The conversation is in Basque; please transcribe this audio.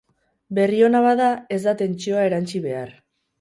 Berri ona bada, ez da tentsioa erantsi behar.